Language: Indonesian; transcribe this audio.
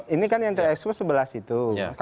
ini kan yang terekspos sebelah situ